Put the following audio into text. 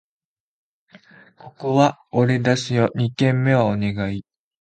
ここは俺出すよ！二軒目はお願い